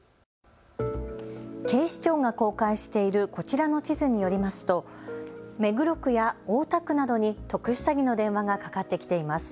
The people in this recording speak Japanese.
警視庁が公開しているこちらの地図によりますと目黒区や大田区などに特殊詐欺の電話がかかってきています。